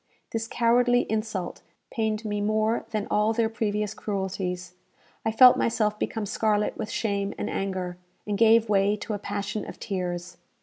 This cowardly insult pained me more than all their previous cruelties. I felt myself become scarlet with shame and anger, and gave way to a passion of tears.